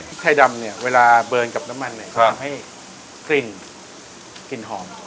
พริกไทยดำเนี่ยเวลาเบิร์นกับน้ำมันเนี่ยเขาทำให้กลิ่นหอม